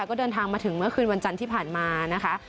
ก็เดินทางมาถึงเมื่อคืนวันจันทร์ที่ผ่านมานะคะ